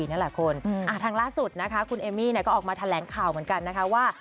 นั่นแหละคุณทางล่าสุดนะคะคุณเอมมี่ก็ออกมาแถลงข่าวเหมือนกันนะคะว่า